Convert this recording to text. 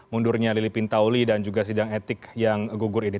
mundurnya lili pintauli dan juga sidang etik yang gugur ini